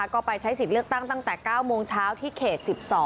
ก็ไปใช้สิทธิ์เลือกตั้งตั้งแต่๙โมงเช้าที่เขต๑๒